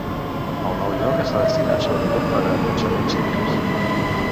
El nou lloc està destinat sobretot per a llançaments civils.